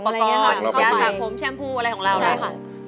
ก้าซาโพมแชมพูอะไรของเร้อโลก